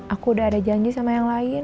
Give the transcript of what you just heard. aku udah ada janji sama yang lain